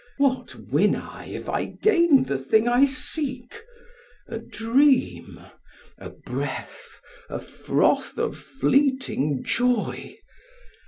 'What win I, if I gain the thing I seek? A dream, a breath, a froth of fleeting joy.